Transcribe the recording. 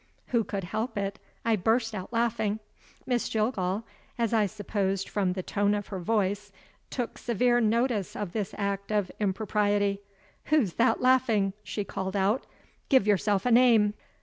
Who could help it? I burst out laughing. Miss Jillgall (as I supposed from the tone of her voice) took severe notice of this act of impropriety. "Who's that laughing?" she called out; "give yourself a name."